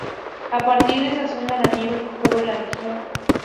A partir de esa zona la nieve cubre la región.